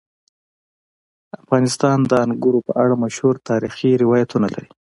افغانستان د انګورو په اړه مشهور تاریخي روایتونه لري.